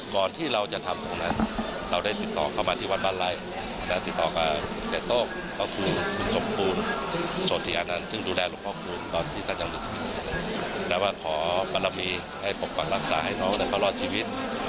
ขอตัดสินค้าให้น้องนั้นเขารอดชีวิต